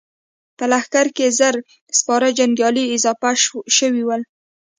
په لښکر کې يې زر سپاره جنګيالي اضافه شوي ول.